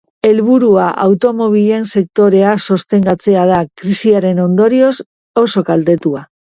Helburua, automobilen sektorea sostengatzea da, krisiaren ondorioz oso kaltetua.